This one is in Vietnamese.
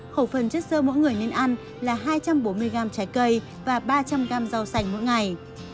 hầu phần chất sơ mỗi người nên ăn là hai trăm bốn mươi g trái cây và ba trăm linh g rau sành mỗi ngày